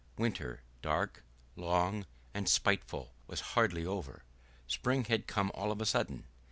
Winter, dark, long, and spiteful, was hardly over; spring had come all of a sudden.